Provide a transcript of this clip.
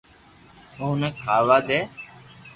او ني کاوا دي